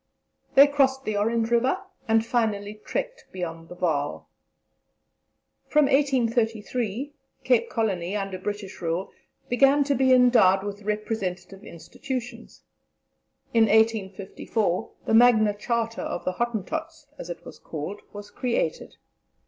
They crossed the Orange River, and finally trekked beyond the Vaal. From 1833, Cape Colony, under British rule, began to be endowed with representative institutions. In 1854, the Magna Charta of the Hottentots, as it was called, was created.